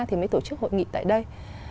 thì mới tổ chức hội nghị tại đây